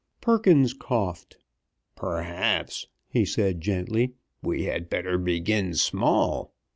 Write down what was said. Perkins coughed. "Perhaps," he said, gently, "we had better begin small.